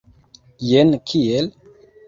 Jen kiel?